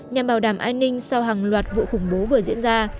nhằm bảo đảm an ninh sau hàng loạt vụ khủng bố vừa diễn ra